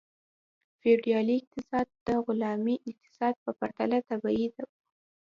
فیوډالي اقتصاد د غلامي اقتصاد په پرتله طبیعي و.